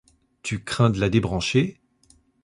… tu crains de la débrancher ?